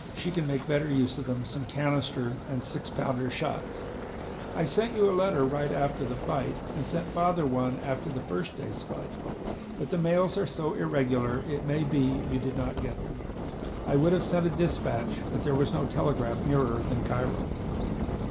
She can make better use of them, some canister and six pounder shots. I sent you a letter right after the fight, and sent father one after the first day's fight. But the mails are so irregular it may be you did not get them. I would have sent a dispatch, but there was no telegraph nearer than Cairo.